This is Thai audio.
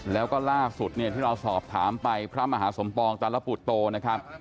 แล้วก็ล่าสุดเนี่ยที่เราสอบถามไปพระมหาสมปองตาลปุตโตนะครับ